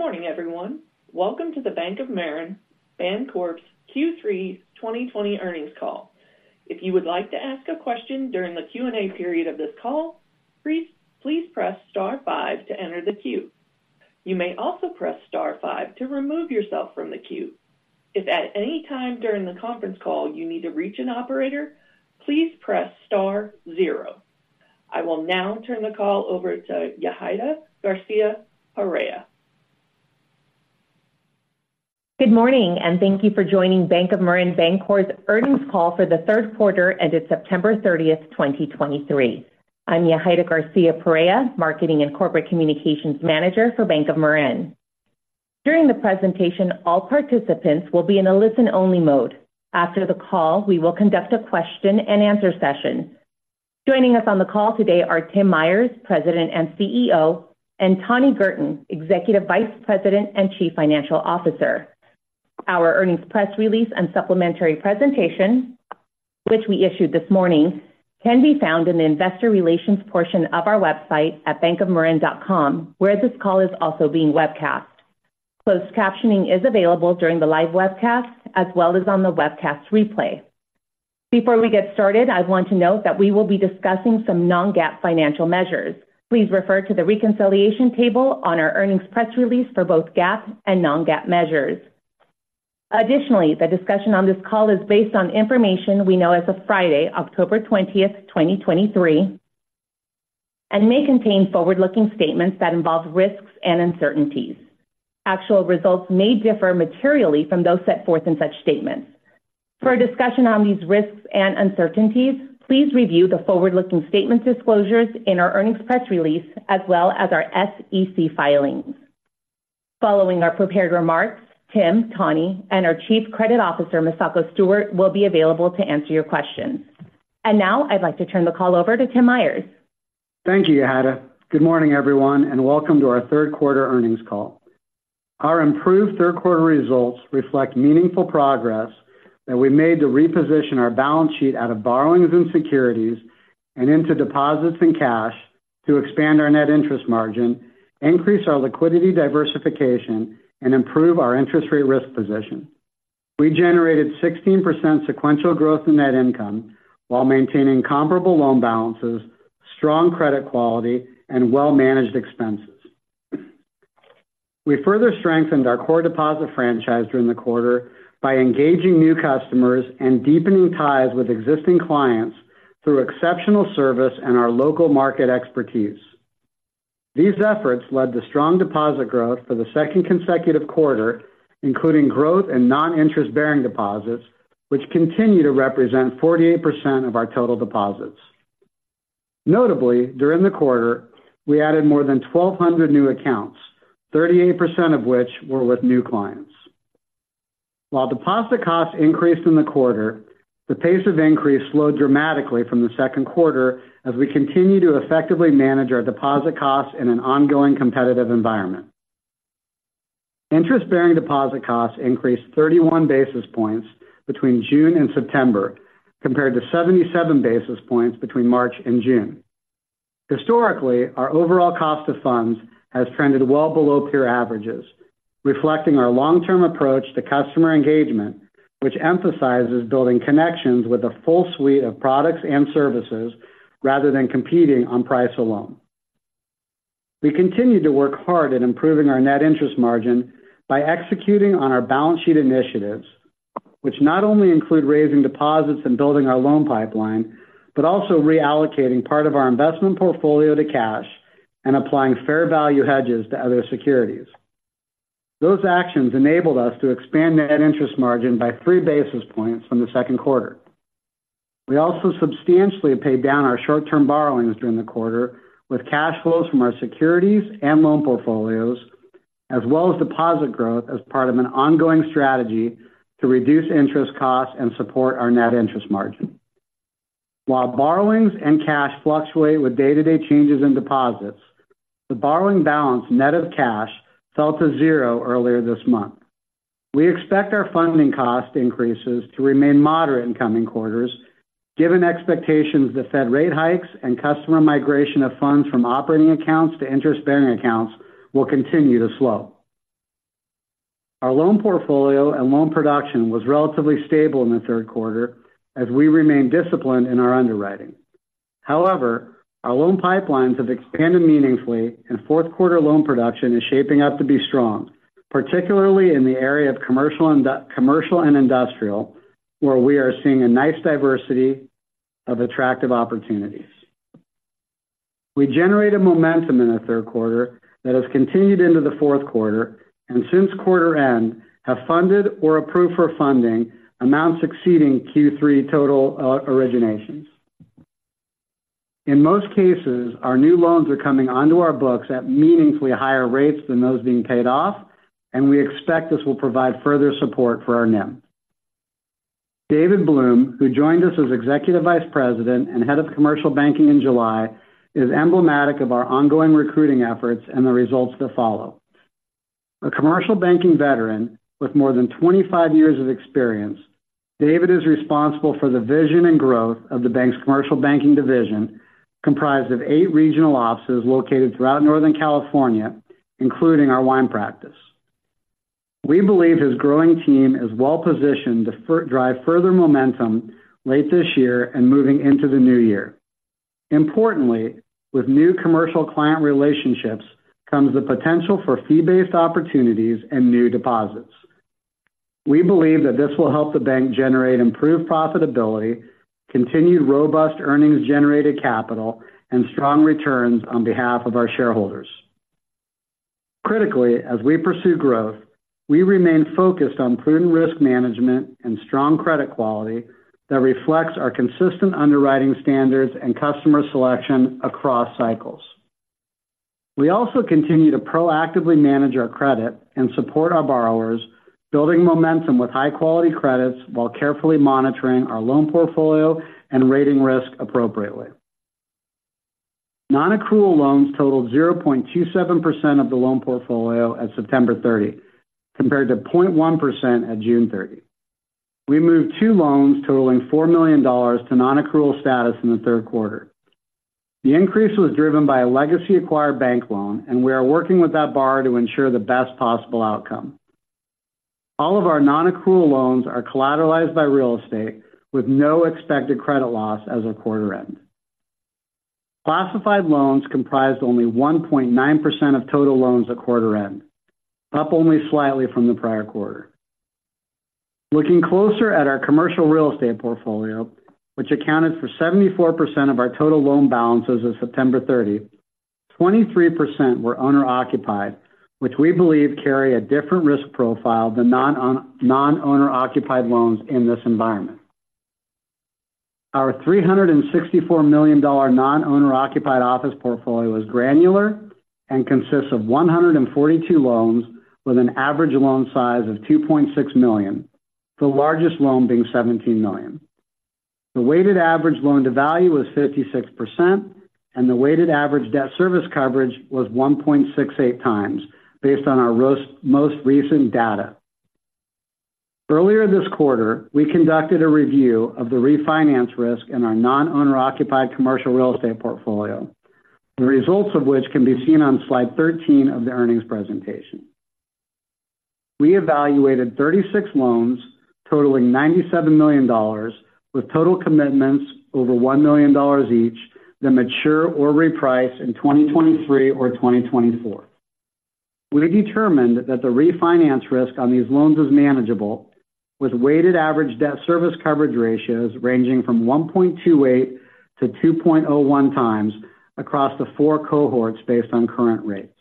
Good morning, everyone. Welcome to the Bank of Marin Bancorp's Q3 2023 earnings call. If you would like to ask a question during the Q&A period of this call, please, please press star five to enter the queue. You may also press star five to remove yourself from the queue. If at any time during the conference call you need to reach an operator, please press star zero. I will now turn the call over to Yahaira Garcia-Perea. Good morning, and thank you for joining Bank of Marin Bancorp's earnings call for the third quarter ended September 30, 2023. I'm Yahaira Garcia-Perea, Marketing and Corporate Communications Manager for Bank of Marin. During the presentation, all participants will be in a listen-only mode. After the call, we will conduct a question and answer session. Joining us on the call today are Tim Myers, President and CEO, and Tani Girton, Executive Vice President and Chief Financial Officer. Our earnings press release and supplementary presentation, which we issued this morning, can be found in the investor relations portion of our website at bankofmarin.com, where this call is also being webcast. Closed captioning is available during the live webcast as well as on the webcast replay. Before we get started, I want to note that we will be discussing some non-GAAP financial measures. Please refer to the reconciliation table on our earnings press release for both GAAP and non-GAAP measures. Additionally, the discussion on this call is based on information we know as of Friday, October 20th, 2023, and may contain forward-looking statements that involve risks and uncertainties. Actual results may differ materially from those set forth in such statements. For a discussion on these risks and uncertainties, please review the forward-looking statement disclosures in our earnings press release as well as our SEC filings. Following our prepared remarks, Tim, Tani, and our Chief Credit Officer, Misako Stewart, will be available to answer your questions. And now I'd like to turn the call over to Tim Myers. Thank you, Yahaira. Good morning, everyone, and welcome to our third quarter earnings call. Our improved third quarter results reflect meaningful progress that we made to reposition our balance sheet out of borrowings and securities and into deposits and cash to expand our net interest margin, increase our liquidity diversification, and improve our interest rate risk position. We generated 16% sequential growth in net income while maintaining comparable loan balances, strong credit quality, and well-managed expenses. We further strengthened our core deposit franchise during the quarter by engaging new customers and deepening ties with existing clients through exceptional service and our local market expertise. These efforts led to strong deposit growth for the second consecutive quarter, including growth in non-interest-bearing deposits, which continue to represent 48% of our total deposits. Notably, during the quarter, we added more than 1,200 new accounts, 38% of which were with new clients. While deposit costs increased in the quarter, the pace of increase slowed dramatically from the second quarter as we continue to effectively manage our deposit costs in an ongoing competitive environment. Interest-bearing deposit costs increased 31 basis points between June and September, compared to 77 basis points between March and June. Historically, our overall cost of funds has trended well below peer averages, reflecting our long-term approach to customer engagement, which emphasizes building connections with a full suite of products and services rather than competing on price alone. We continued to work hard at improving our net interest margin by executing on our balance sheet initiatives, which not only include raising deposits and building our loan pipeline, but also reallocating part of our investment portfolio to cash and applying fair value hedges to other securities. Those actions enabled us to expand net interest margin by 3 basis points from the second quarter. We also substantially paid down our short-term borrowings during the quarter with cash flows from our securities and loan portfolios, as well as deposit growth as part of an ongoing strategy to reduce interest costs and support our net interest margin. While borrowings and cash fluctuate with day-to-day changes in deposits, the borrowing balance net of cash fell to zero earlier this month. We expect our funding cost increases to remain moderate in coming quarters, given expectations that Fed rate hikes and customer migration of funds from operating accounts to interest-bearing accounts will continue to slow. Our loan portfolio and loan production was relatively stable in the third quarter as we remained disciplined in our underwriting. However, our loan pipelines have expanded meaningfully, and fourth quarter loan production is shaping up to be strong, particularly in the area of commercial and industrial, where we are seeing a nice diversity of attractive opportunities. We generated momentum in the third quarter that has continued into the fourth quarter, and since quarter end, have funded or approved for funding amounts exceeding Q3 total originations. In most cases, our new loans are coming onto our books at meaningfully higher rates than those being paid off, and we expect this will provide further support for our NIM. David Bloom, who joined us as Executive Vice President and Head of Commercial Banking in July, is emblematic of our ongoing recruiting efforts and the results that follow. A commercial banking veteran with more than 25 years of experience, David is responsible for the vision and growth of the bank's commercial banking division, comprised of eight regional offices located throughout Northern California, including our wine practice. We believe his growing team is well-positioned to drive further momentum late this year and moving into the new year. Importantly, with new commercial client relationships comes the potential for fee-based opportunities and new deposits. We believe that this will help the bank generate improved profitability, continued robust earnings-generated capital, and strong returns on behalf of our shareholders. Critically, as we pursue growth, we remain focused on prudent risk management and strong credit quality that reflects our consistent underwriting standards and customer selection across cycles. We also continue to proactively manage our credit and support our borrowers, building momentum with high-quality credits while carefully monitoring our loan portfolio and rating risk appropriately. Nonaccrual loans totaled 0.27% of the loan portfolio at September 30, compared to 0.1% at June 30. We moved two loans totaling $4 million to nonaccrual status in the third quarter. The increase was driven by a legacy acquired bank loan, and we are working with that borrower to ensure the best possible outcome. All of our nonaccrual loans are collateralized by real estate, with no expected credit loss as of quarter end. Classified loans comprised only 1.9% of total loans at quarter end, up only slightly from the prior quarter. Looking closer at our commercial real estate portfolio, which accounted for 74% of our total loan balances as of September 30, 23% were owner-occupied, which we believe carry a different risk profile than non-owner-occupied loans in this environment. Our $364 million non-owner-occupied office portfolio is granular and consists of 142 loans with an average loan size of $2.6 million, the largest loan being $17 million. The weighted average loan-to-value was 56%, and the weighted average debt-service coverage was 1.68x based on our most recent data. Earlier this quarter, we conducted a review of the refinance risk in our non-owner-occupied commercial real estate portfolio, the results of which can be seen on slide 13 of the earnings presentation. We evaluated 36 loans totaling $97 million, with total commitments over $1 million each, that mature or reprice in 2023 or 2024. We determined that the refinance risk on these loans is manageable, with weighted average debt-service coverage ratios ranging from 1.28-2.01x across the four cohorts based on current rates.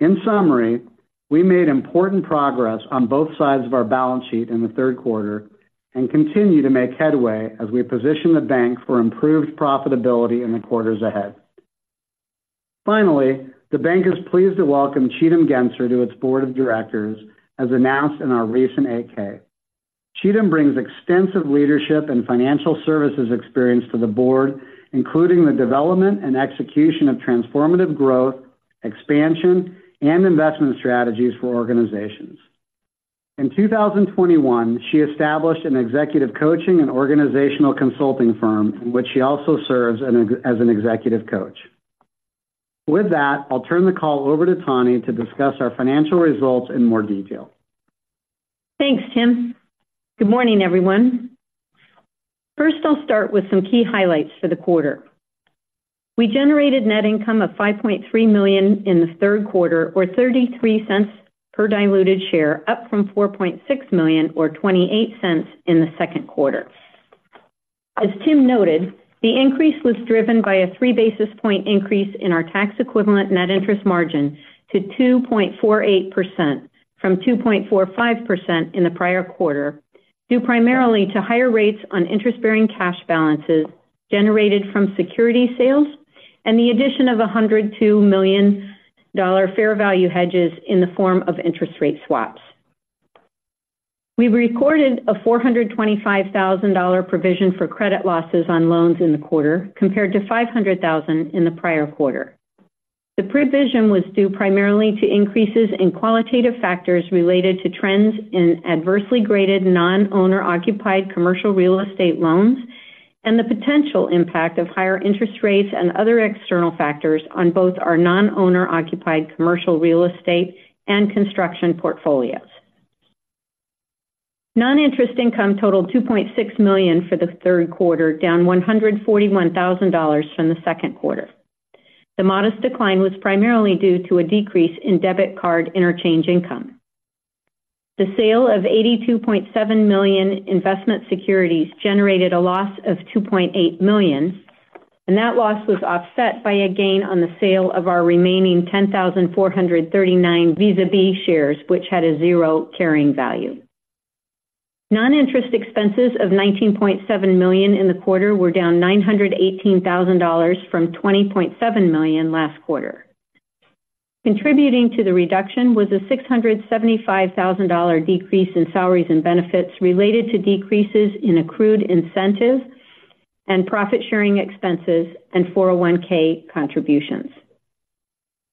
In summary, we made important progress on both sides of our balance sheet in the third quarter and continue to make headway as we position the bank for improved profitability in the quarters ahead. Finally, the bank is pleased to welcome Cigdem Gencer to its board of directors, as announced in our recent 8-K. Cigdem brings extensive leadership and financial services experience to the board, including the development and execution of transformative growth, expansion, and investment strategies for organizations. In 2021, she established an executive coaching and organizational consulting firm, in which she also serves as an executive coach. With that, I'll turn the call over to Tani to discuss our financial results in more detail. Thanks, Tim. Good morning, everyone. First, I'll start with some key highlights for the quarter. We generated net income of $5.3 million in the third quarter, or $0.33 per diluted share, up from $4.6 million, or $0.28 in the second quarter. As Tim noted, the increase was driven by a 3 basis point increase in our tax-equivalent net interest margin to 2.48% from 2.45% in the prior quarter, due primarily to higher rates on interest-bearing cash balances generated from security sales and the addition of a $102 million dollar fair value hedges in the form of interest rate swaps. We recorded a $425,000 provision for credit losses on loans in the quarter, compared to $500,000 in the prior quarter. The provision was due primarily to increases in qualitative factors related to trends in adversely graded non-owner-occupied commercial real estate loans and the potential impact of higher interest rates and other external factors on both our non-owner-occupied commercial real estate and construction portfolios. Non-interest income totaled $2.6 million for the third quarter, down $141,000 from the second quarter. The modest decline was primarily due to a decrease in debit card interchange income. The sale of $82.7 million investment securities generated a loss of $2.8 million, and that loss was offset by a gain on the sale of our remaining 10,439 Visa B shares, which had a zero carrying value. Non-interest expenses of $19.7 million in the quarter were down $918,000 from $20.7 million last quarter. Contributing to the reduction was a $675,000 decrease in salaries and benefits related to decreases in accrued incentive and profit sharing expenses and 401(k) contributions.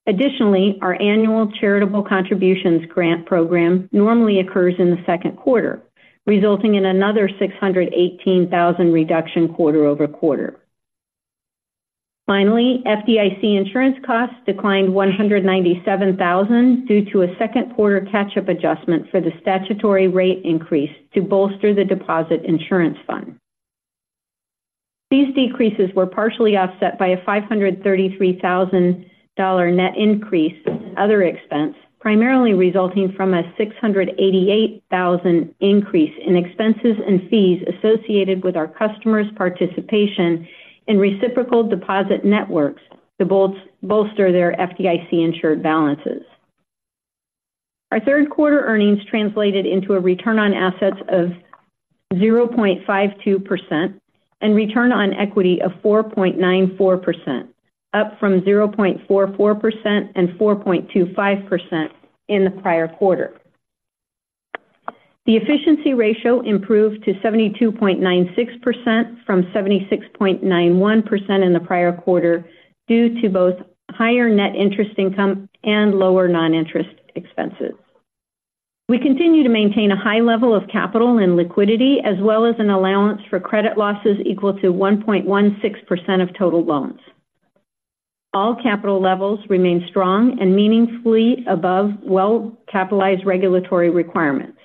Additionally, our annual charitable contributions grant program normally occurs in the second quarter, resulting in another $618,000 reduction quarter over quarter. Finally, FDIC insurance costs declined $197,000 due to a second quarter catch-up adjustment for the statutory rate increase to bolster the Deposit Insurance Fund. These decreases were partially offset by a $533,000 net increase in other expense, primarily resulting from a $688,000 increase in expenses and fees associated with our customers' participation in reciprocal deposit networks to bolster their FDIC insured balances. Our third quarter earnings translated into a return on assets of 0.52% and return on equity of 4.94%, up from 0.44% and 4.25% in the prior quarter. The efficiency ratio improved to 72.96% from 76.91% in the prior quarter, due to both higher net interest income and lower non-interest expenses. We continue to maintain a high level of capital and liquidity, as well as an allowance for credit losses equal to 1.16% of total loans. All capital levels remain strong and meaningfully above well-capitalized regulatory requirements.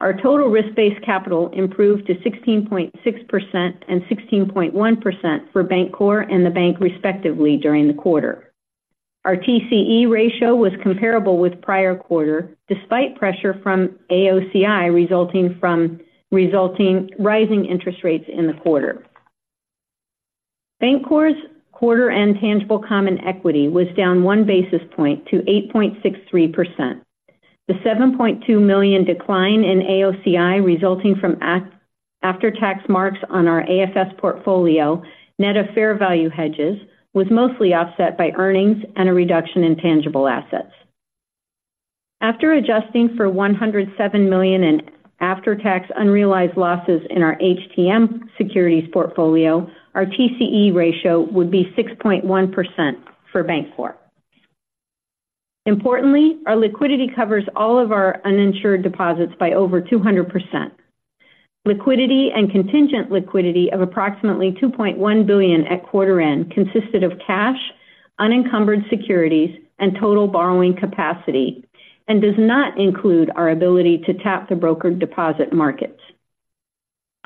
Our total risk-based capital improved to 16.6% and 16.1% for Bancorp and the bank, respectively, during the quarter. Our TCE ratio was comparable with prior quarter, despite pressure from AOCI, resulting from rising interest rates in the quarter. Bancorp's quarter-end tangible common equity was down 1 basis point to 8.63%. The $7.2 million decline in AOCI, resulting from after-tax marks on our AFS portfolio, net of fair value hedges, was mostly offset by earnings and a reduction in tangible assets. After adjusting for $107 million in after-tax unrealized losses in our HTM securities portfolio, our TCE ratio would be 6.1% for Bancorp. Importantly, our liquidity covers all of our uninsured deposits by over 200%. Liquidity and contingent liquidity of approximately $2.1 billion at quarter end consisted of cash, unencumbered securities, and total borrowing capacity, and does not include our ability to tap the brokered deposit markets.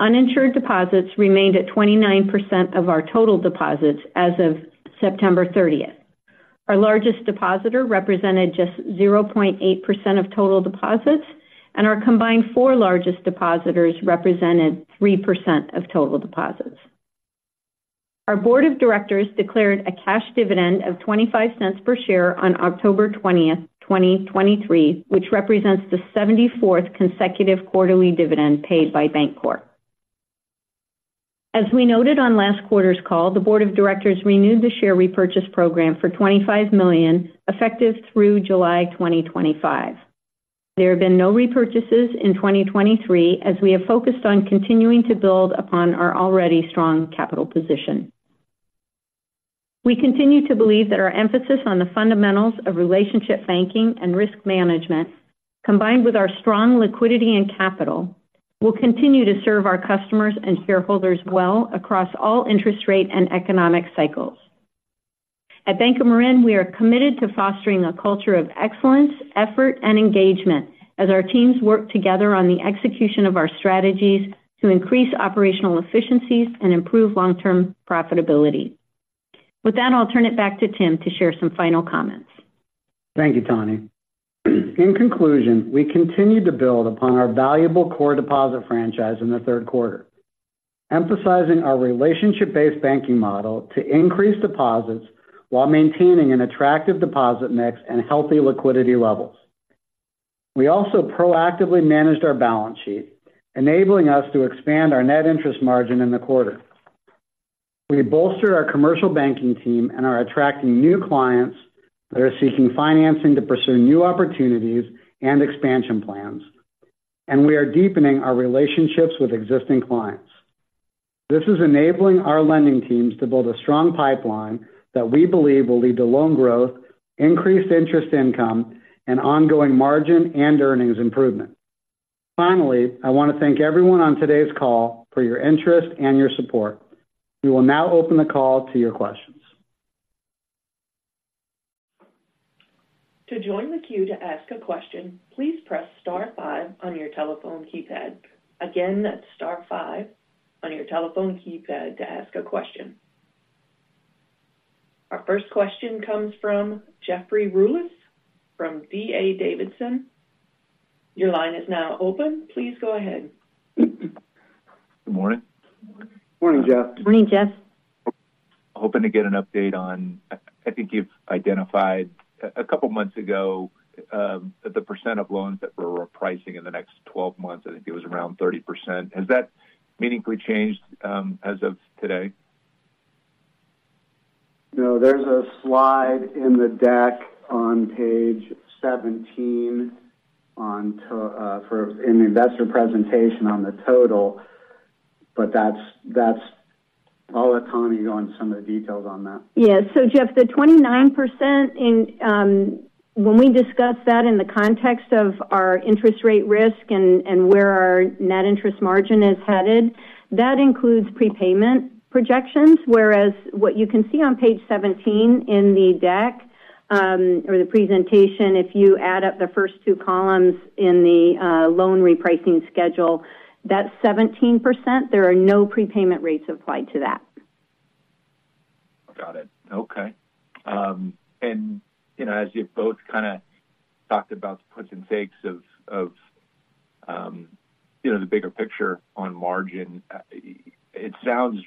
Uninsured deposits remained at 29% of our total deposits as of September 30. Our largest depositor represented just 0.8% of total deposits, and our combined four largest depositors represented 3% of total deposits. Our board of directors declared a cash dividend of $0.25 per share on October 20, 2023, which represents the 74th consecutive quarterly dividend paid by Bancorp. As we noted on last quarter's call, the board of directors renewed the share repurchase program for $25 million, effective through July 2025. There have been no repurchases in 2023, as we have focused on continuing to build upon our already strong capital position. We continue to believe that our emphasis on the fundamentals of relationship banking and risk management, combined with our strong liquidity and capital, will continue to serve our customers and shareholders well across all interest rate and economic cycles. At Bank of Marin, we are committed to fostering a culture of excellence, effort, and engagement as our teams work together on the execution of our strategies to increase operational efficiencies and improve long-term profitability. With that, I'll turn it back to Tim to share some final comments. Thank you, Tani. In conclusion, we continued to build upon our valuable core deposit franchise in the third quarter, emphasizing our relationship-based banking model to increase deposits while maintaining an attractive deposit mix and healthy liquidity levels. We also proactively managed our balance sheet, enabling us to expand our net interest margin in the quarter. We bolster our commercial banking team and are attracting new clients that are seeking financing to pursue new opportunities and expansion plans, and we are deepening our relationships with existing clients. This is enabling our lending teams to build a strong pipeline that we believe will lead to loan growth, increased interest income, and ongoing margin and earnings improvement. Finally, I want to thank everyone on today's call for your interest and your support. We will now open the call to your questions. To join the queue to ask a question, please press star five on your telephone keypad. Again, that's star five on your telephone keypad to ask a question. Our first question comes from Jeffrey Rulis from D.A. Davidson. Your line is now open. Please go ahead. Good morning. Morning, Jeff. Morning, Jeff. Hoping to get an update on—I think you've identified a couple months ago the percent of loans that were repricing in the next 12 months. I think it was around 30%. Has that meaningfully changed as of today? No, there's a slide in the deck on page 17 on for in the investor presentation on the total but that's, I'll let Tani go on some of the details on that. Yes. So Jeff, the 29% in when we discuss that in the context of our interest rate risk and, and where our net interest margin is headed, that includes prepayment projections, whereas what you can see on page 17 in the deck or the presentation, if you add up the first two columns in the loan repricing schedule, that 17%, there are no prepayment rates applied to that. Got it. Okay. And, you know, as you both kind of talked about the puts and takes of the bigger picture on margin, it sounds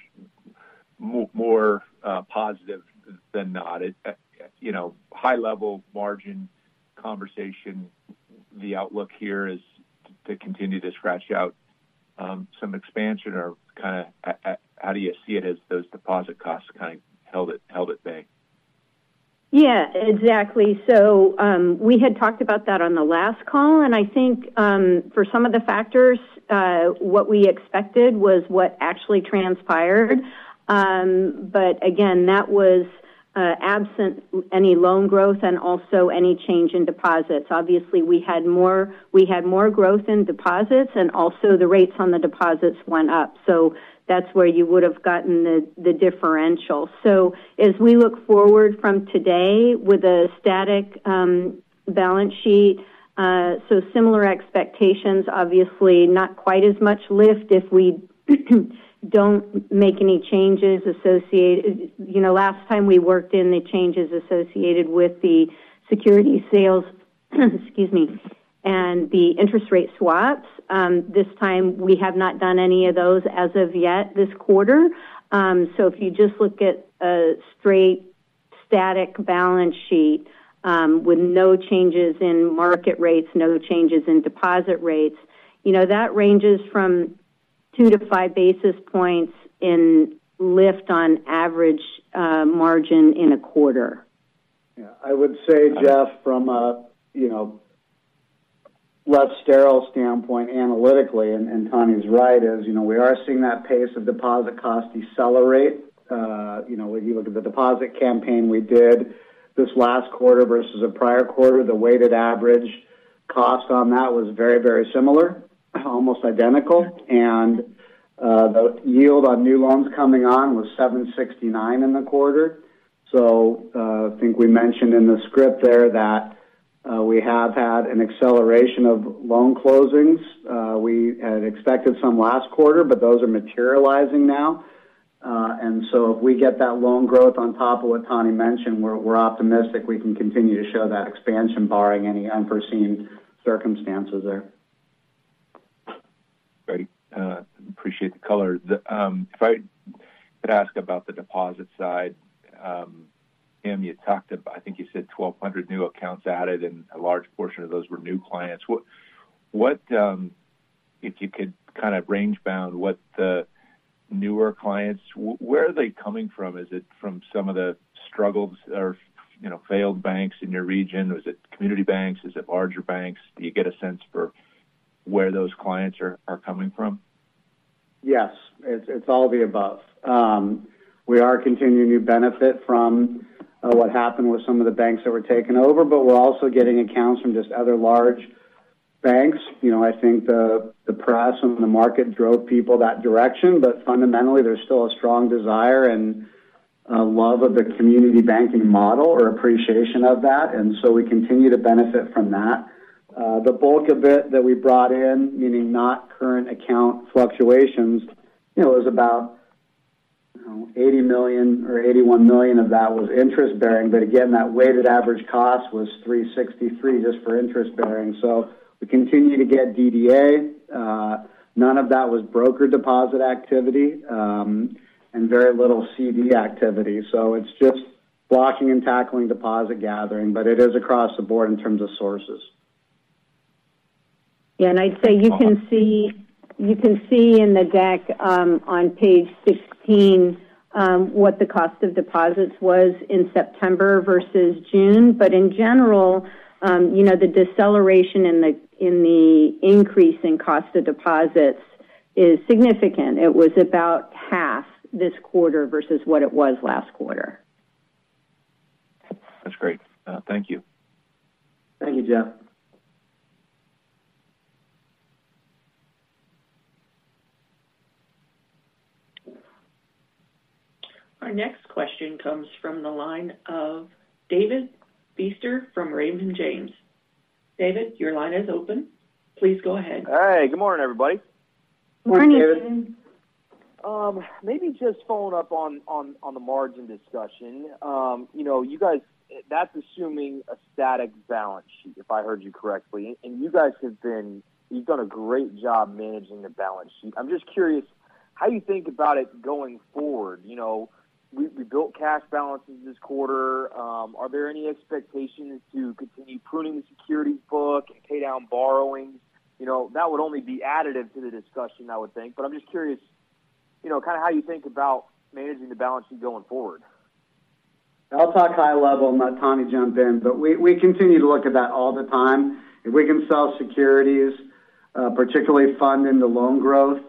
more positive than not. You know, high level margin conversation, the outlook here is to continue to scratch out some expansion or kind of, how do you see it as those deposit costs kind of held at, held at bay? Yeah, exactly. So, we had talked about that on the last call, and I think, for some of the factors, what we expected was what actually transpired. But again, that was, absent any loan growth and also any change in deposits. Obviously, we had more, we had more growth in deposits, and also the rates on the deposits went up, so that's where you would have gotten the, the differential. So as we look forward from today with a static, balance sheet, so similar expectations, obviously not quite as much lift if we don't make any changes associated—you know, last time we worked in the changes associated with the security sales, excuse me, and the interest rate swaps. This time, we have not done any of those as of yet this quarter. So if you just look at a straight static balance sheet, with no changes in market rates, no changes in deposit rates, you know, that ranges from 2-5 basis points in lift on average margin in a quarter. Yeah, I would say, Jeff, from a, you know, less sterile standpoint, analytically, and, and Tani's right, is, you know, we are seeing that pace of deposit costs decelerate. You know, when you look at the deposit campaign we did this last quarter versus the prior quarter, the weighted average cost on that was very, very similar, almost identical. And, the yield on new loans coming on was 7.69% in the quarter. So, I think we mentioned in the script there that we have had an acceleration of loan closings. We had expected some last quarter, but those are materializing now. And so if we get that loan growth on top of what Tani mentioned, we're optimistic we can continue to show that expansion, barring any unforeseen circumstances there. Great. Appreciate the color. If I could ask about the deposit side. Tim, you talked about, I think you said 1,200 new accounts added, and a large portion of those were new clients. What, if you could kind of range bound what the newer clients, where are they coming from? Is it from some of the struggled or, you know, failed banks in your region, or is it community banks? Is it larger banks? Do you get a sense for where those clients are coming from? Yes, it's, it's all of the above. We are continuing to benefit from what happened with some of the banks that were taken over, but we're also getting accounts from just other large banks. You know, I think the, the press and the market drove people that direction, but fundamentally, there's still a strong desire and love of the community banking model or appreciation of that, and so we continue to benefit from that. The bulk of it that we brought in, meaning not current account fluctuations, you know, it was about, I don't know, $80 million or $81 million of that was interest bearing. But again, that weighted average cost was 3.63% just for interest bearing. So we continue to get DDA. None of that was broker deposit activity, and very little CD activity. It's just blocking and tackling deposit gathering, but it is across the board in terms of sources. Yeah, and I'd say you can see, you can see in the deck, on page 16, what the cost of deposits was in September versus June. But in general, you know, the deceleration in the increase in cost of deposits is significant. It was about half this quarter versus what it was last quarter. That's great. Thank you. Thank you, Jeff. Our next question comes from the line of David Feaster from Raymond James. David, your line is open. Please go ahead. Hi, good morning, everybody. Morning, David. Morning, David. Maybe just following up on the margin discussion. You know, you guys, that's assuming a static balance sheet, if I heard you correctly, and you guys have been—you've done a great job managing the balance sheet. I'm just curious, how do you think about it going forward? You know, you built cash balances this quarter. Are there any expectations to continue pruning the securities book and pay down borrowings? You know, that would only be additive to the discussion, I would think. But I'm just curious, you know, kind of how you think about managing the balance sheet going forward? I'll talk high level and let Tani jump in. But we continue to look at that all the time. If we can sell securities, particularly funding the loan growth,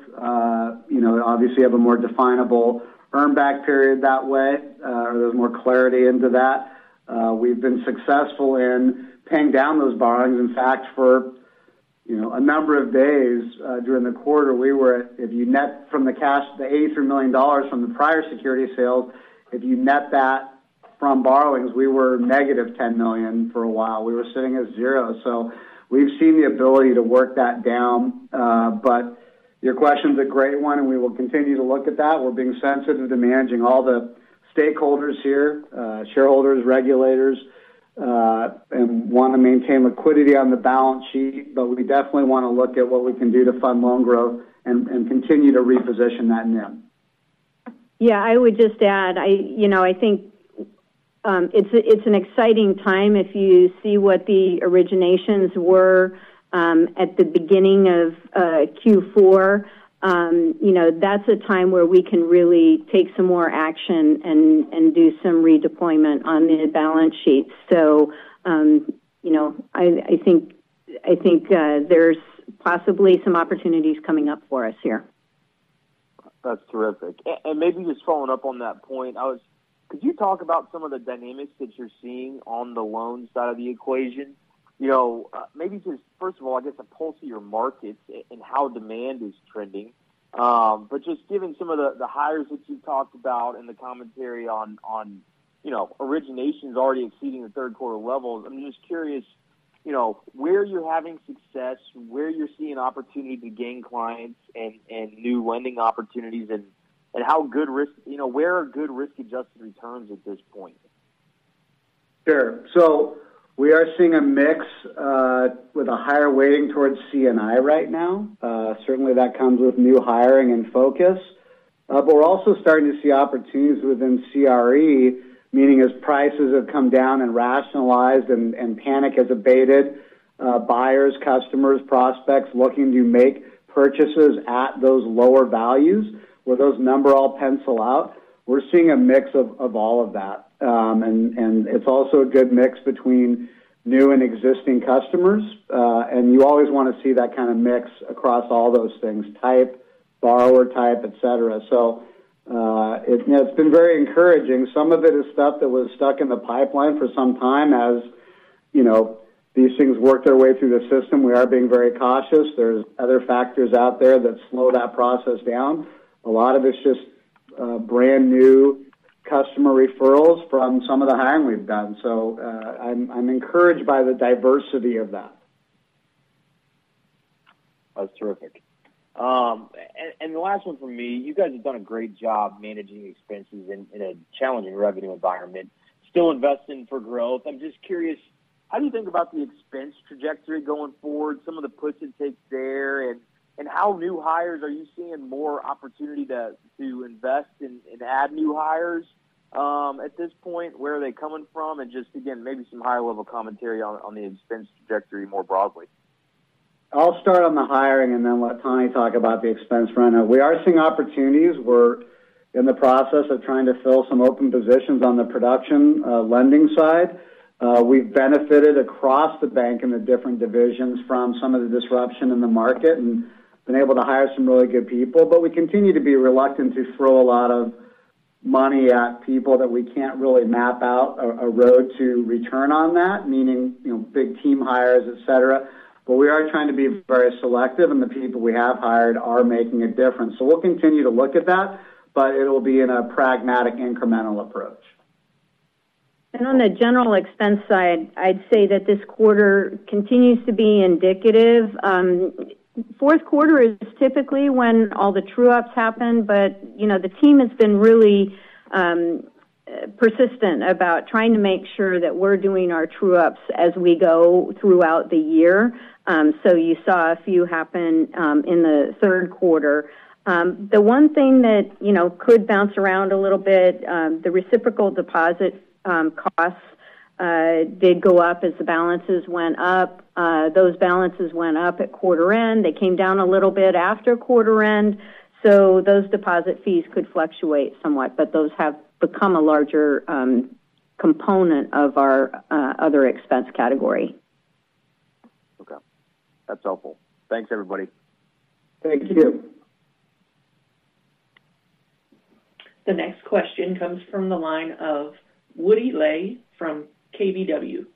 you know, obviously have a more definable earn back period that way, there's more clarity into that. We've been successful in paying down those borrowings. In fact, for, you know, a number of days during the quarter, we were—if you net from the cash, the $83 million from the prior security sales, if you net that from borrowings, we were -$10 million for a while. We were sitting at $0. So we've seen the ability to work that down. But your question's a great one, and we will continue to look at that. We're being sensitive to managing all the stakeholders here, shareholders, regulators, and want to maintain liquidity on the balance sheet. But we definitely want to look at what we can do to fund loan growth and continue to reposition that NIM. Yeah, I would just add, you know, I think it's an exciting time. If you see what the originations were at the beginning of Q4, you know, that's a time where we can really take some more action and do some redeployment on the balance sheet. So, you know, I think there's possibly some opportunities coming up for us here. That's terrific. And maybe just following up on that point, could you talk about some of the dynamics that you're seeing on the loan side of the equation? You know, maybe just first of all, I guess, a pulse of your markets and how demand is trending. But just given some of the hires that you've talked about and the commentary on, you know, originations already exceeding the third quarter levels, I'm just curious, you know, where you're having success, where you're seeing opportunity to gain clients and new lending opportunities, and how good risk, you know, where are good risk-adjusted returns at this point? Sure. So we are seeing a mix, with a higher weighting towards C&I right now. Certainly, that comes with new hiring and focus. But we're also starting to see opportunities within CRE, meaning as prices have come down and rationalized and panic has abated, buyers, customers, prospects looking to make purchases at those lower values, where those number all pencil out. We're seeing a mix of all of that. And it's also a good mix between new and existing customers, and you always want to see that kind of mix across all those things, type, borrower type, et cetera. So, it you know, it's been very encouraging. Some of it is stuff that was stuck in the pipeline for some time. As you know, these things work their way through the system, we are being very cautious. There's other factors out there that slow that process down. A lot of it's just brand new customer referrals from some of the hiring we've done. So, I'm encouraged by the diversity of that. That's terrific. And the last one from me: You guys have done a great job managing expenses in a challenging revenue environment, still investing for growth. I'm just curious, how do you think about the expense trajectory going forward, some of the puts and takes there, and how new hires are you seeing more opportunity to invest and add new hires at this point? Where are they coming from? And just, again, maybe some higher level commentary on the expense trajectory more broadly. I'll start on the hiring and then let Tani talk about the expense front. We are seeing opportunities. We're in the process of trying to fill some open positions on the production, lending side. We've benefited across the bank in the different divisions from some of the disruption in the market and been able to hire some really good people. But we continue to be reluctant to throw a lot of money at people that we can't really map out a road to return on that, meaning, you know, big team hires, et cetera. But we are trying to be very selective, and the people we have hired are making a difference. So we'll continue to look at that, but it'll be in a pragmatic, incremental approach. On the general expense side, I'd say that this quarter continues to be indicative. Fourth quarter is typically when all the true-ups happen, but, you know, the team has been really persistent about trying to make sure that we're doing our true-ups as we go throughout the year. So you saw a few happen in the third quarter. The one thing that, you know, could bounce around a little bit, the reciprocal deposit costs did go up as the balances went up. Those balances went up at quarter end. They came down a little bit after quarter end. So those deposit fees could fluctuate somewhat, but those have become a larger component of our other expense category. Okay. That's helpful. Thanks, everybody. Thank you. The next question comes from the line of Woody Lay from KBW.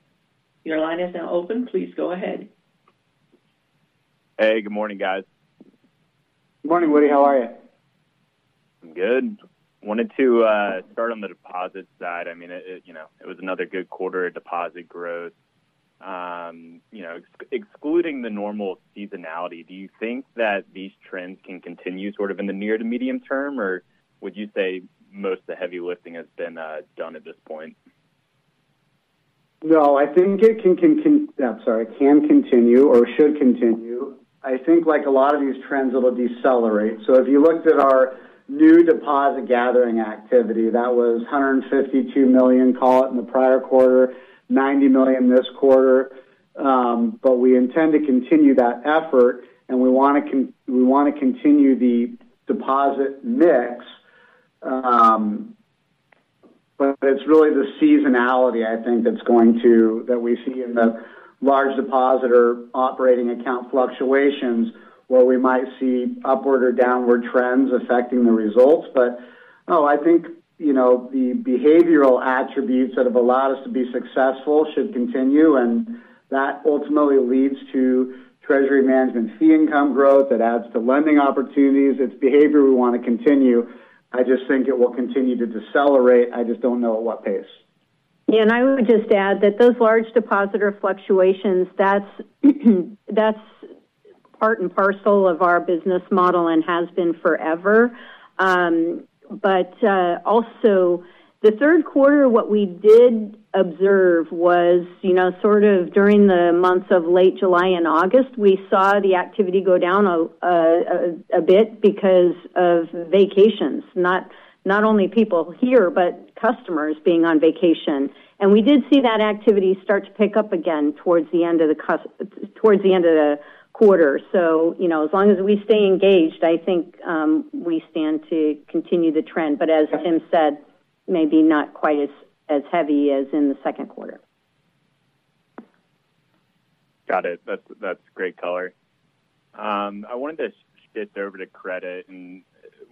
Your line is now open. Please go ahead. Hey, good morning, guys. Good morning, Woody. How are you? I'm good. Wanted to start on the deposit side. I mean, you know, it was another good quarter of deposit growth. You know, excluding the normal seasonality, do you think that these trends can continue sort of in the near to medium term, or would you say most of the heavy lifting has been done at this point? No, I think it can continue or should continue. I think like a lot of these trends, it'll decelerate. So if you looked at our new deposit gathering activity, that was $152 million, call it, in the prior quarter, $90 million this quarter. But we intend to continue that effort, and we want to continue the deposit mix. But it's really the seasonality, I think, that's going to that we see in the large depositor operating account fluctuations, where we might see upward or downward trends affecting the results. But, no, I think, you know, the behavioral attributes that have allowed us to be successful should continue, and that ultimately leads to treasury management fee income growth. It adds to lending opportunities. It's behavior we want to continue. I just think it will continue to decelerate. I just don't know at what pace. Yeah, and I would just add that those large depositor fluctuations, that's part and parcel of our business model and has been forever. But also the third quarter, what we did observe was, you know, sort of during the months of late July and August, we saw the activity go down a bit because of vacations, not only people here, but customers being on vacation. And we did see that activity start to pick up again towards the end of the quarter. So, you know, as long as we stay engaged, I think we stand to continue the trend. But as Tim said, maybe not quite as heavy as in the second quarter. Got it. That's, that's great color. I wanted to switch over to credit, and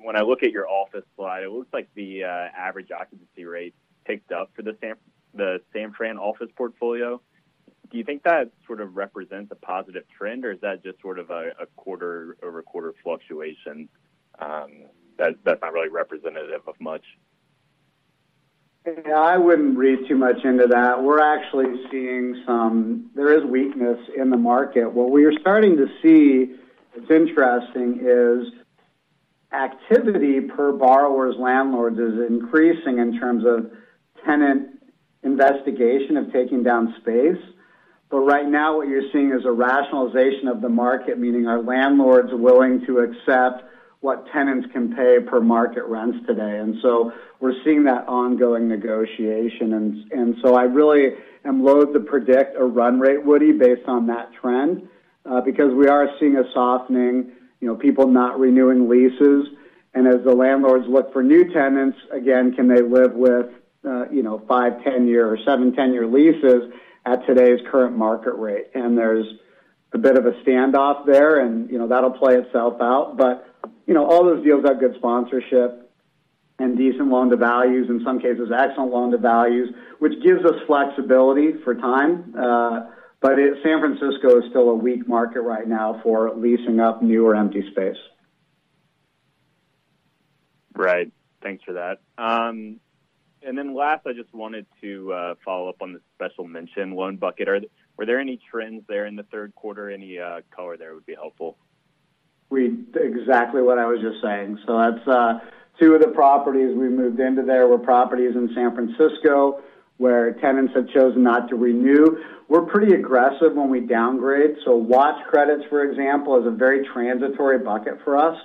when I look at your office slide, it looks like the average occupancy rate ticked up for the San Francisco office portfolio. Do you think that sort of represents a positive trend, or is that just sort of a quarter-over-quarter fluctuation, that's, that's not really representative of much? Yeah, I wouldn't read too much into that. We're actually seeing some weakness in the market. There is weakness in the market. What we are starting to see, that's interesting, is activity per borrowers' landlords is increasing in terms of tenant investigation of taking down space. But right now, what you're seeing is a rationalization of the market, meaning are landlords willing to accept what tenants can pay per market rents today? And so we're seeing that ongoing negotiation. And so I really am loath to predict a run rate, Woody, based on that trend, because we are seeing a softening, you know, people not renewing leases. And as the landlords look for new tenants, again, can they live with, you know, five, 10-year or seven, 10-year leases at today's current market rate? And there's a bit of a standoff there, and, you know, that'll play itself out. But, you know, all those deals got good sponsorship and decent loan-to-values, in some cases, excellent loan-to-values, which gives us flexibility for time. But San Francisco is still a weak market right now for leasing up new or empty space. Right. Thanks for that. And then last, I just wanted to follow up on the special mention loan bucket. Were there any trends there in the third quarter? Any color there would be helpful. Exactly what I was just saying. So that's, two of the properties we moved into there were properties in San Francisco, where tenants had chosen not to renew. We're pretty aggressive when we downgrade, so watch credits, for example, is a very transitory bucket for us.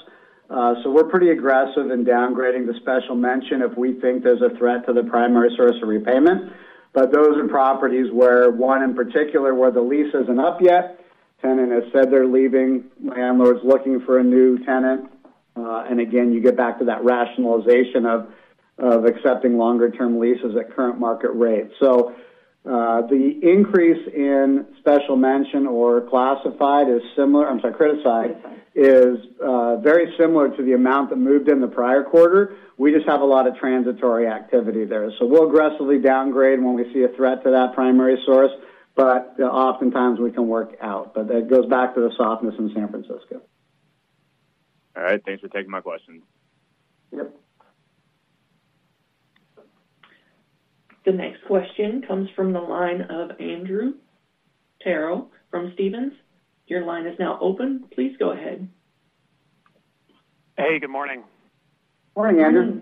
So we're pretty aggressive in downgrading the special mention if we think there's a threat to the primary source of repayment. But those are properties where one, in particular, where the lease isn't up yet, tenant has said they're leaving, landlord's looking for a new tenant. And again, you get back to that rationalization of accepting longer-term leases at current market rates. So, the increase in special mention or classified is similar, I'm sorry, criticized, is very similar to the amount that moved in the prior quarter. We just have a lot of transitory activity there. So we'll aggressively downgrade when we see a threat to that primary source, but oftentimes we can work out. But that goes back to the softness in San Francisco. All right. Thanks for taking my questions. Yep. The next question comes from the line of Andrew Terrell from Stephens. Your line is now open. Please go ahead. Hey, good morning. Morning, Andrew.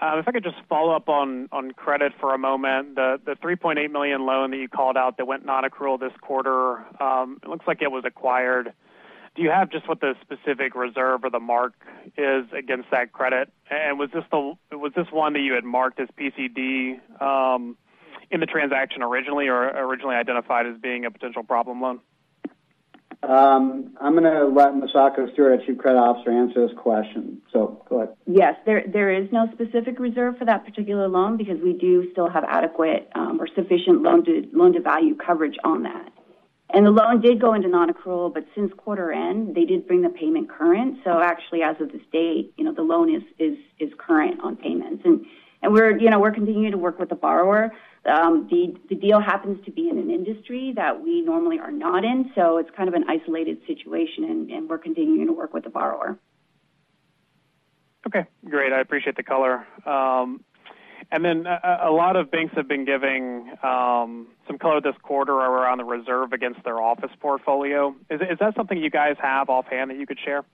If I could just follow up on credit for a moment. The $3.8 million loan that you called out that went nonaccrual this quarter, it looks like it was acquired. Do you have just what the specific reserve or the mark is against that credit? And was this one that you had marked as PCD in the transaction originally or originally identified as being a potential problem loan? I'm going to let Misako Stewart, our Chief Credit Officer, answer this question. So, go ahead. Yes, there is no specific reserve for that particular loan because we do still have adequate or sufficient loan-to-value coverage on that. And the loan did go into non-accrual, but since quarter end, they did bring the payment current. So actually, as of this date, you know, the loan is current on payments. And we're, you know, we're continuing to work with the borrower. The deal happens to be in an industry that we normally are not in, so it's kind of an isolated situation, and we're continuing to work with the borrower. Okay, great. I appreciate the color. And then a lot of banks have been giving some color this quarter around the reserve against their office portfolio. Is that something you guys have offhand that you could share?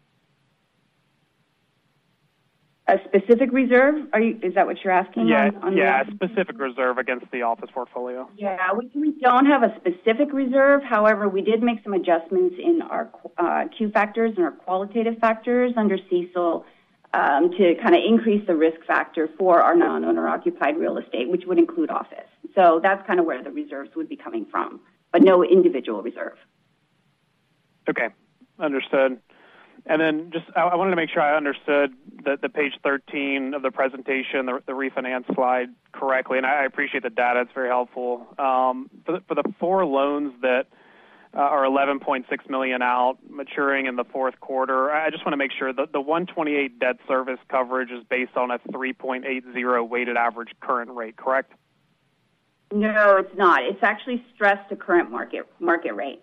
A specific reserve? Are you-- is that what you're asking on, on? Yeah, yeah, a specific reserve against the office portfolio. Yeah, we don't have a specific reserve. However, we did make some adjustments in our Q factors and our qualitative factors under CECL to kind of increase the risk factor for our non-owner-occupied real estate, which would include office. So that's kind of where the reserves would be coming from, but no individual reserve. Okay, understood. And then just I wanted to make sure I understood that the page 13 of the presentation, the refinance slide correctly, and I appreciate the data. It's very helpful. For the four loans that are $11.6 million out maturing in the fourth quarter, I just want to make sure the 1.28 debt service coverage is based on a 3.80 weighted average current rate, correct? No, it's not. It's actually stressed to current market rate.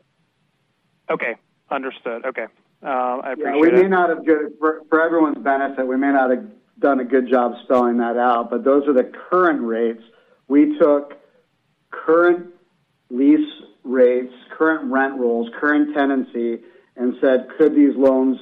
Okay, understood. Okay. I appreciate it. Yeah, for everyone's benefit, we may not have done a good job spelling that out, but those are the current rates. We took current lease rates, current rent rolls, current tenancy, and said, could these loans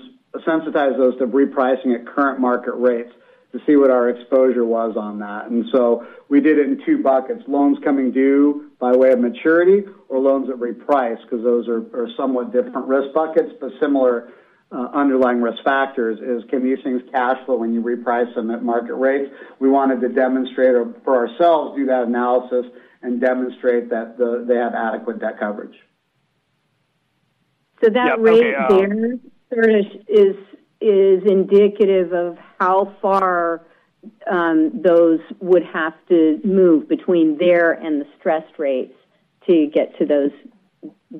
sensitize those to repricing at current market rates to see what our exposure was on that. And so we did it in two buckets, loans coming due by way of maturity or loans that reprice, because those are somewhat different risk buckets, but similar, underlying risk factors is can these things cash flow when you reprice them at market rates? We wanted to demonstrate it for ourselves, do that analysis and demonstrate that they have adequate debt coverage. Yeah, let me. So that rate there is indicative of how far those would have to move between there and the stressed rates to get to those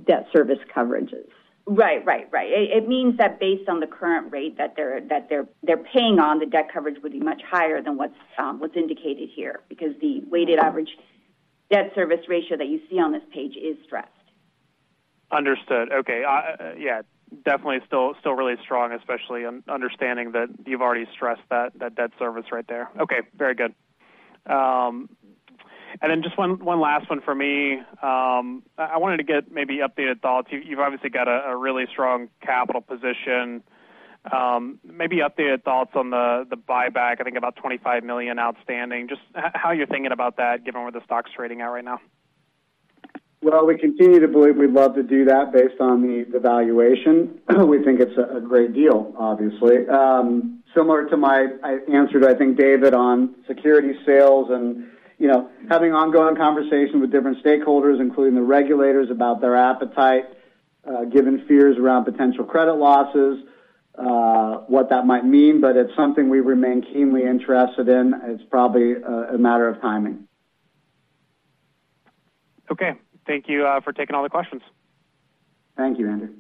debt service coverages. Right, right, right. It means that based on the current rate that they're paying on, the debt coverage would be much higher than what's indicated here, because the weighted average debt service ratio that you see on this page is stressed. Understood. Okay. Yeah, definitely still really strong, especially understanding that you've already stressed that debt service right there. Okay, very good. And then just one last one for me. I wanted to get maybe updated thoughts. You've obviously got a really strong capital position. Maybe updated thoughts on the buyback, I think, about $25 million outstanding. Just how are you thinking about that, given where the stock's trading at right now? Well, we continue to believe we'd love to do that based on the valuation. We think it's a great deal, obviously. Similar to my—I answered, I think, David, on security sales and, you know, having ongoing conversations with different stakeholders, including the regulators, about their appetite, given fears around potential credit losses, what that might mean, but it's something we remain keenly interested in. It's probably a matter of timing. Okay. Thank you for taking all the questions. Thank you, Andrew.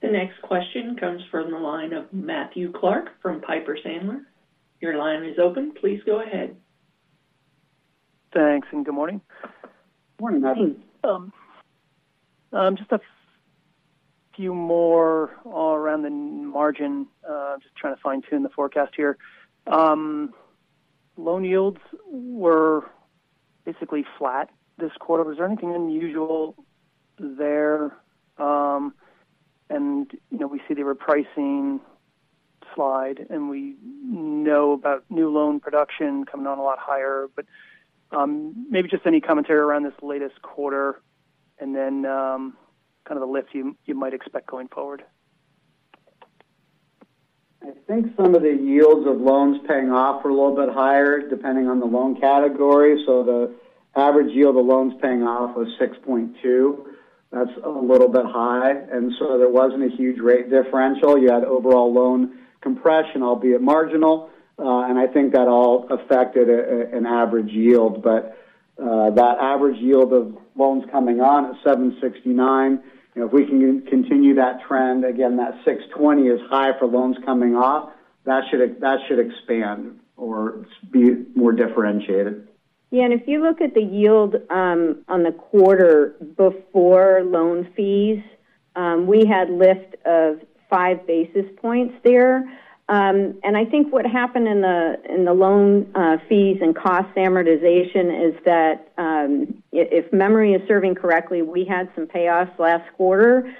The next question comes from the line of Matthew Clark from Piper Sandler. Your line is open. Please go ahead. Thanks, and good morning. Morning, Matthew. Just a few more all around the margin. Just trying to fine-tune the forecast here. Loan yields were basically flat this quarter. Was there anything unusual there? And, you know, we see the repricing slide, and we know about new loan production coming on a lot higher. But maybe just any commentary around this latest quarter and then kind of the lift you might expect going forward. I think some of the yields of loans paying off are a little bit higher, depending on the loan category. So the average yield of loans paying off was 6.20%. That's a little bit high, and so there wasn't a huge rate differential. You had overall loan compression, albeit marginal, and I think that all affected an average yield. But that average yield of loans coming on at 7.69%, you know, if we can continue that trend, again, that 6.20% is high for loans coming off, that should, that should expand or be more differentiated. Yeah, and if you look at the yield on the quarter before loan fees, we had lift of 5 basis points there. And I think what happened in the loan fees and cost amortization is that if memory is serving correctly, we had some payoffs last quarter.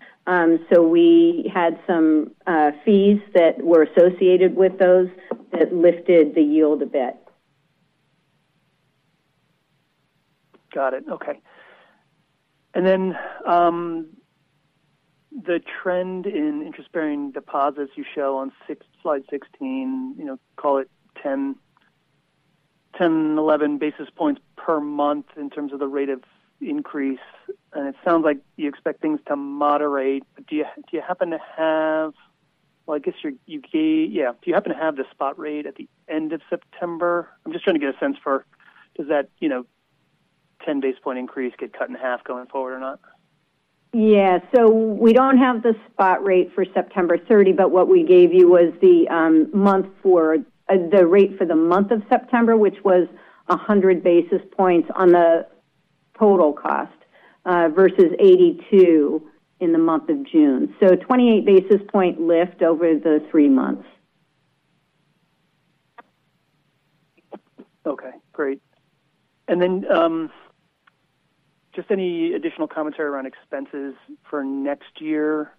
So we had some fees that were associated with those that lifted the yield a bit. Got it. Okay. And then, the trend in interest-bearing deposits you show on slide 16, you know, call it 10, 10, 11 basis points per month in terms of the rate of increase, and it sounds like you expect things to moderate. Do you happen to have? Well, I guess you gave. Yeah. Do you happen to have the spot rate at the end of September? I'm just trying to get a sense for, does that, you know, 10 basis point increase get cut in half going forward or not? Yeah. So we don't have the spot rate for September 30, but what we gave you was the rate for the month of September, which was 100 basis points on the total cost versus 82 in the month of June. So 28 basis point lift over the three months. Okay, great. And then, just any additional commentary around expenses for next year?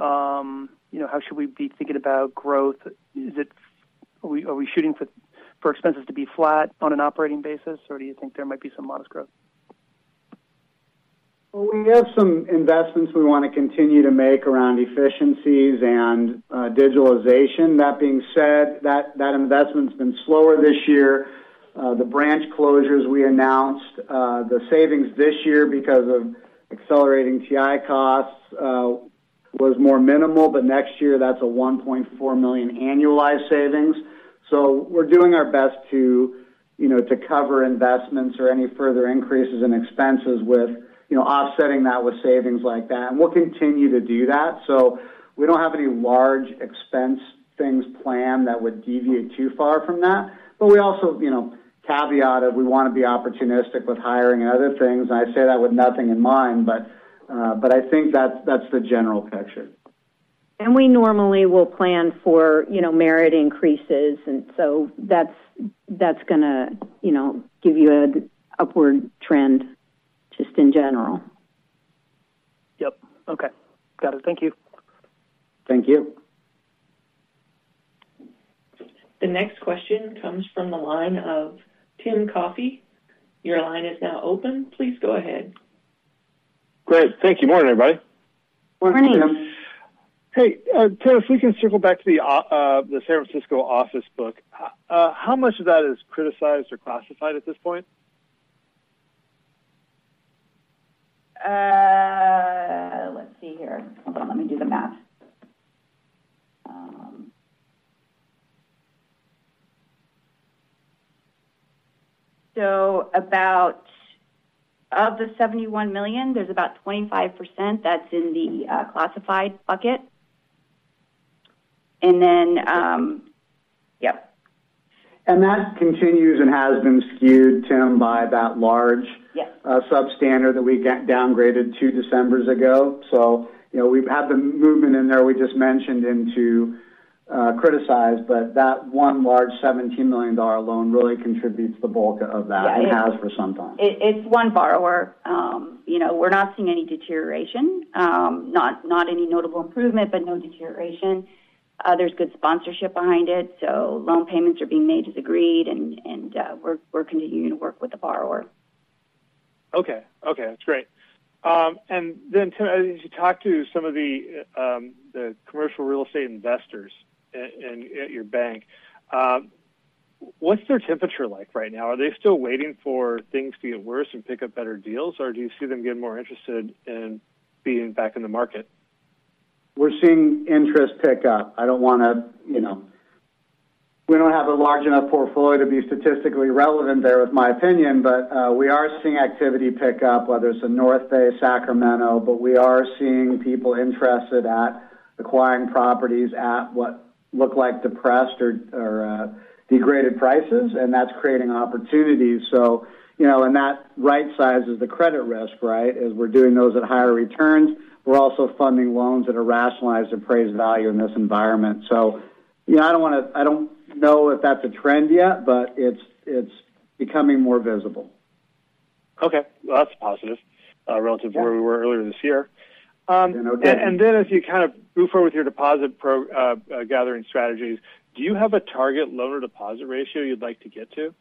You know, how should we be thinking about growth? Are we shooting for expenses to be flat on an operating basis, or do you think there might be some modest growth? Well, we have some investments we want to continue to make around efficiencies and digitalization. That being said, that investment's been slower this year. The branch closures we announced, the savings this year because of accelerating TI costs, was more minimal, but next year, that's a $1.4 million annualized savings. So we're doing our best to, you know, to cover investments or any further increases in expenses with, you know, offsetting that with savings like that. And we'll continue to do that, so we don't have any large expense things planned that would deviate too far from that. But we also, you know, caveated, we want to be opportunistic with hiring and other things. And I say that with nothing in mind, but I think that's the general picture. We normally will plan for, you know, merit increases, and so that's, that's gonna, you know, give you an upward trend just in general. Yep. Okay. Got it. Thank you. Thank you. The next question comes from the line of Tim Coffey. Your line is now open. Please go ahead. Great. Thank you. Morning, everybody. Morning, Tim. Hey, Tim, if we can circle back to the San Francisco office book. How much of that is criticized or classified at this point? Let's see here. Hold on, let me do the math. So about, of the $71 million, there's about 25% that's in the classified bucket. And then, yep. That continues and has been skewed, Tim, by that large? Yep. Substandard that we get downgraded two Decembers ago. So, you know, we've had the movement in there. We just mentioned into criticized, but that one large $17 million loan really contributes the bulk of that. Yeah. It has for some time. It's one borrower. You know, we're not seeing any deterioration, not any notable improvement, but no deterioration. There's good sponsorship behind it, so loan payments are being made as agreed, and we're continuing to work with the borrower. Okay. Okay, that's great. And then, Tim, as you talk to some of the commercial real estate investors at your bank, what's their temperature like right now? Are they still waiting for things to get worse and pick up better deals, or do you see them getting more interested in being back in the market? We're seeing interest pick up. I don't want to, you know. We don't have a large enough portfolio to be statistically relevant there with my opinion, but we are seeing activity pick up, whether it's in North Bay, Sacramento, but we are seeing people interested at acquiring properties at what look like depressed or degraded prices, and that's creating opportunities. So, you know, and that right sizes the credit risk, right? As we're doing those at higher returns, we're also funding loans that are rationalized appraised value in this environment. So, you know, I don't wanna, I don't know if that's a trend yet, but it's becoming more visible. Okay. Well, that's positive, relative to where we were earlier this year. You know, yeah. And then, as you kind of move forward with your deposit gathering strategies, do you have a target loan or deposit ratio you'd like to get to?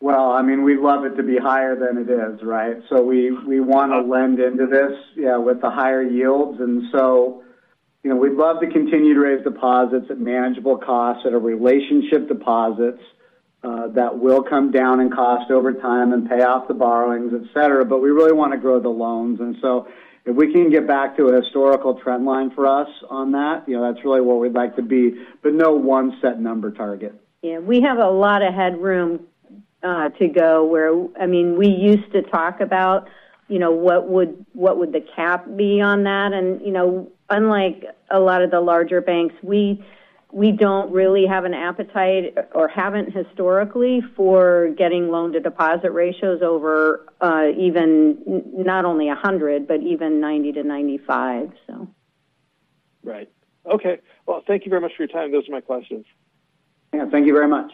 Well, I mean, we'd love it to be higher than it is, right? So we, we wanna lend into this, yeah, with the higher yields. And so, you know, we'd love to continue to raise deposits at manageable costs that are relationship deposits, that will come down in cost over time and pay off the borrowings, et cetera. But we really want to grow the loans, and so if we can get back to a historical trend line for us on that, you know, that's really where we'd like to be, but no one set number target. Yeah, we have a lot of headroom to go where, I mean, we used to talk about, you know, what would, what would the cap be on that? And, you know, unlike a lot of the larger banks, we don't really have an appetite or haven't historically for getting loan-to-deposit ratios over even not only 100%, but even 90-95%, so. Right. Okay. Well, thank you very much for your time. Those are my questions. Yeah, thank you very much.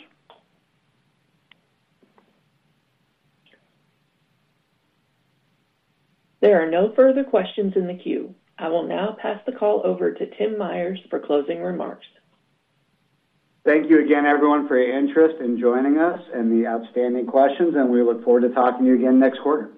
There are no further questions in the queue. I will now pass the call over to Tim Myers for closing remarks. Thank you again, everyone, for your interest in joining us and the outstanding questions, and we look forward to talking to you again next quarter.